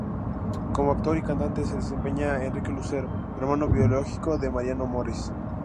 Como actor y cantante se desempeña Enrique Lucero, hermano biológico de Mariano Mores.